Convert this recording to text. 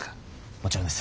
もちろんです。